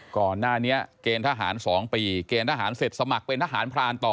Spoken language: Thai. ก่อนหน้านี้เกณฑ์ทหาร๒ปีเกณฑ์ทหารเสร็จสมัครเป็นทหารพรานต่อ